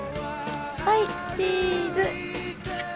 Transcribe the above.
はいチーズ。